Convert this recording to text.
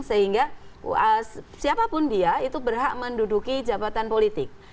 sehingga siapapun dia itu berhak menduduki jabatan politik